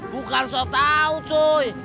bukan sok tau cuy